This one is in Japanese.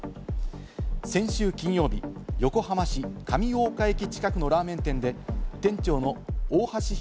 先週金曜日、横浜市上大岡駅近くのラーメン店で店長の大橋弘